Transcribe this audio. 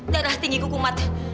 darah tinggi kukumat